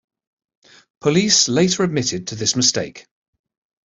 Police later admitted to this mistake.